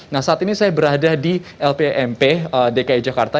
nah saat ini saya berada di lpmp dki jakarta